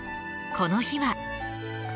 この日は。